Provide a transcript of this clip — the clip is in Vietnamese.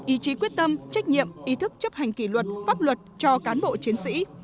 ý chí quyết tâm trách nhiệm ý thức chấp hành kỷ luật pháp luật cho cán bộ chiến sĩ